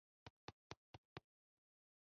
مجاهد د خپلو ورکو وروڼو پلټنه کوي.